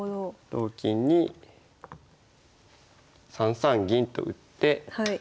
同金に３三銀と打って。